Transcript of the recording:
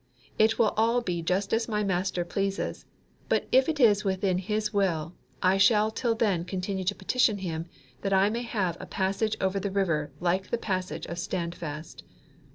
It will all be just as my Master pleases; but if it is within His will I shall till then continue to petition Him that I may have a passage over the river like the passage of Standfast.